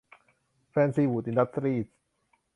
แฟนซีวู๊ด อินดัสตรีส